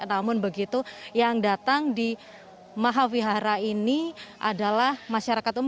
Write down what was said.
namun begitu yang datang di mahavihara ini adalah masyarakat umum